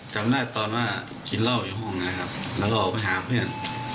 จำได้ตอนว่ากินเหล้าอยู่ห้องนะครับแล้วก็ออกไปหาเพื่อน